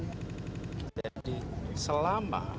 jadi selama air dibiarkan dari daerah pegunungan di selatan jakarta